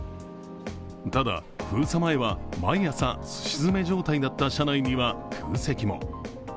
ただ、封鎖前は毎朝、すし詰め状態だった車内には空席も。